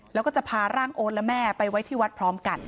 แล้วก็จะพาร่างโอ๊ตและแม่ไปไว้ที่วัดพร้อมกัน